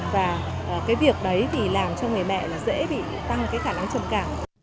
và cái việc đấy thì làm cho người mẹ là dễ bị tăng cái khả năng trầm cảm